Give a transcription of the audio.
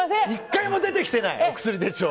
１回も出てきてないよ！